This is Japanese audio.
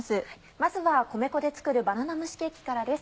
まずは米粉で作るバナナ蒸しケーキからです。